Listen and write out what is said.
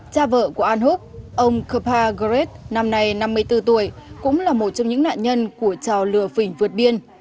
cha vợ của an húc ông kepa gret năm nay năm mươi bốn tuổi cũng là một trong những nạn nhân của trò lừa phỉnh vượt biên